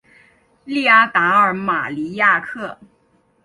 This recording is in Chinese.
利阿达尔马尼亚克。